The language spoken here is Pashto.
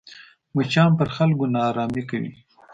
مچان پر خلکو ناارامي کوي